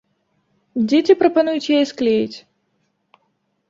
Дзеці прапануюць яе склеіць.